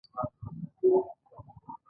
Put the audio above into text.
پوښتنه وکړه: موټر دې ولید؟ نه، موږ تا ته کتل.